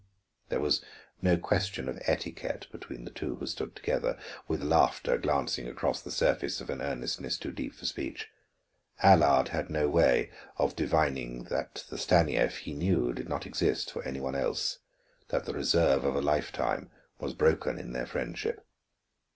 There was no question of etiquette between the two who stood together, with laughter glancing across the surface of an earnestness too deep for speech. Allard had no way of divining that the Stanief he knew did not exist for any one else; that the reserve of a lifetime was broken in their friendship.